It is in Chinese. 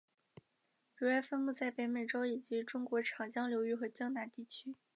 主要分布在北美洲以及中国长江流域和江南地区。